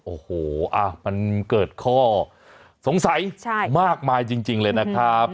โอ้โหมันเกิดข้อสงสัยมากมายจริงเลยนะครับ